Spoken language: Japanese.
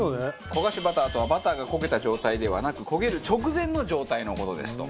焦がしバターとはバターが焦げた状態ではなく焦げる直前の状態の事ですと。